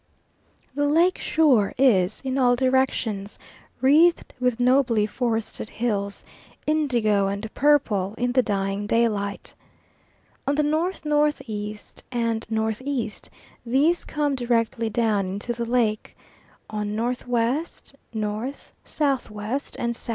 The lake shore is, in all directions, wreathed with nobly forested hills, indigo and purple in the dying daylight. On the N.N.E. and N.E. these come directly down into the lake; on N.W., N., S.W., and S.E.